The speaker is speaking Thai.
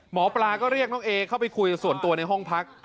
หมอปลาก็เรียกน้องเอเข้าไปคุยส่วนตัวในห้องพัก